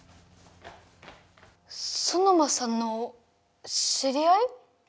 ソノマさんの知り合い？